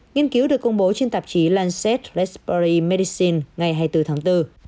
nghiên cứu được công bố trên tạp chí lancet respiratory medicine ngày hai mươi bốn tháng bốn